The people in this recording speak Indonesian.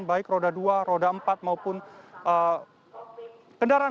baik roda dua roda empat maupun kendaraan